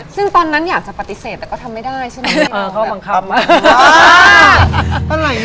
ซึ่งตอนนั้นอยากจะปฏิเสธแต่ก็ทำไม่ได้ใช่ไหมอ่าเขาบังคับ